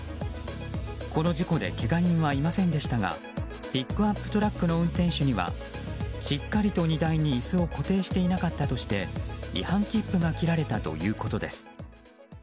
この事故でけが人はいませんでしたがピックアップトラックの運転手にはしっかりと荷台に椅子を固定していなかったとして違反切符が切られたということです。